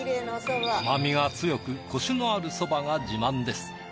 甘みが強くコシのあるそばが自慢です。